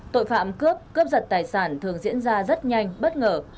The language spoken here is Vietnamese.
tội phạm cướp cướp giật tài sản thường diễn ra rất nhanh bất ngờ